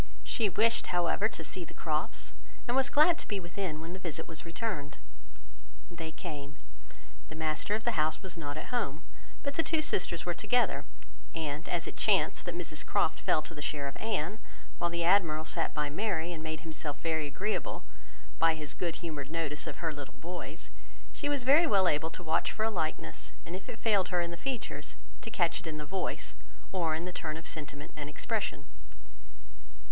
She wished, however to see the Crofts, and was glad to be within when the visit was returned. They came: the master of the house was not at home, but the two sisters were together; and as it chanced that Mrs Croft fell to the share of Anne, while the Admiral sat by Mary, and made himself very agreeable by his good humoured notice of her little boys, she was well able to watch for a likeness, and if it failed her in the features, to catch it in the voice, or in the turn of sentiment and expression.